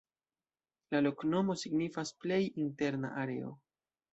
La loknomo signifas: "plej interna areo".